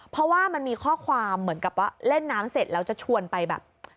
เพราะว่ามันมีข้อความเหมือนกับว่าเล่นน้ำเสร็จแล้วจะชวนไปแบบ